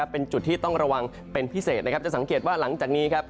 เป็นจุดที่ต้องระวังเป็นพิเศษจะสังเกตว่าหลังจากนี้